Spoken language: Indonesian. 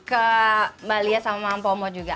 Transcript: ke mbah lia sama mpomo juga